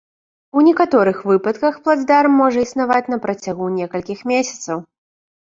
У некаторых выпадках плацдарм можа існаваць на працягу некалькіх месяцаў.